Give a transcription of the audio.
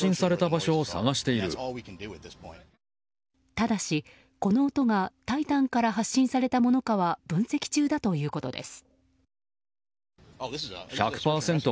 ただし、この音が「タイタン」から発信されたものかは分析中だということです。